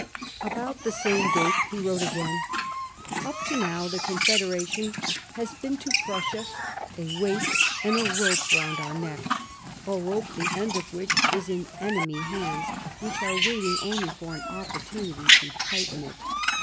About the same date he wrote again : "Up to now, the Confederation has been to Prussia a weight and a rope round our neck — a rope the end of which is in enemy hands which are waiting only for an opportunity to tighten it."